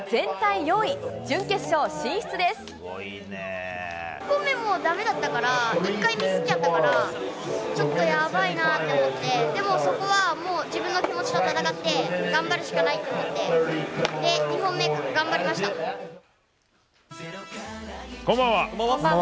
１本目もだめだったから、１回ミスっちゃったから、ちょっとやばいなぁと思って、でもそこは自分の気持ちと戦って、頑張るしかないと思って、２本目頑張りこんばんは。